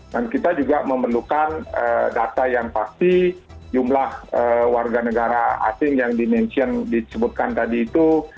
dan kita juga memerlukan data yang pasti jumlah warga negara asing yang disebutkan tadi itu